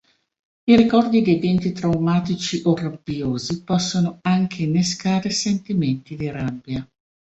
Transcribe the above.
I ricordi di eventi traumatici o rabbiosi possono anche innescare sentimenti di rabbia.